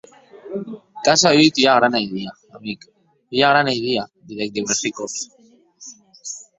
Qu’as auut ua grana idia, amic, ua grana idia, didec diuèrsi còps.